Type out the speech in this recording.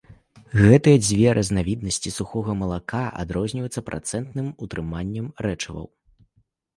Гэтыя дзве разнавіднасці сухога малака адрозніваюцца працэнтным утрыманнем рэчываў.